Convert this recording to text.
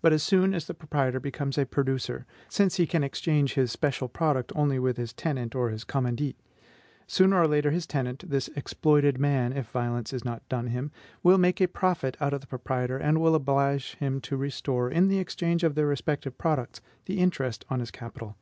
But as soon as the proprietor becomes a producer, since he can exchange his special product only with his tenant or his commandite, sooner or later this tenant, this exploited man, if violence is not done him, will make a profit out of the proprietor, and will oblige him to restore in the exchange of their respective products the interest on his capital.